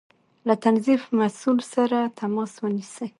له تنظيف مسؤل سره تماس ونيسئ